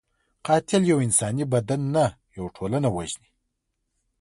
قاتل یو انساني بدن نه، یو ټولنه وژني